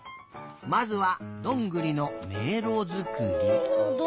まずはどんぐりのめいろづくり。